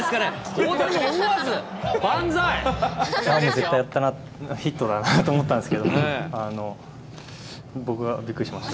大谷も思わず、もう絶対やったな、ヒットだなと思ったんですけど、僕がびっくりしました。